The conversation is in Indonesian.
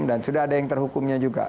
dan sudah ada yang terhukumnya juga